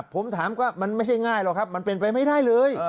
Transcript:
ผมถามว่ามันไม่ใช่ง่ายหรอกครับมันเป็นไปไม่ได้เลย